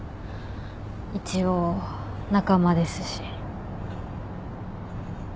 一応仲間ですし。